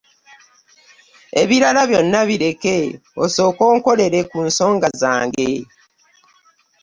Ebirala byonna bireke osooke onkolere ku nsonga zange.